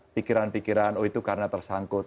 pikiran pikiran oh itu karena tersangkut